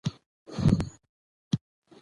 خبره دی معقوله او مفیده ده